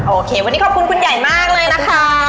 โอเควันนี้ขอบคุณคุณใหญ่มากเลยนะคะ